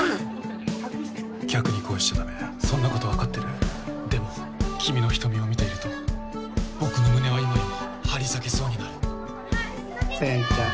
客に恋しちゃダメそんなこと分かってるでも君の瞳を見ていると僕の胸は今にも張り裂けそうになるセンちゃん